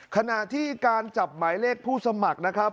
ขณะที่การจับหมายเลขผู้สมัครนะครับ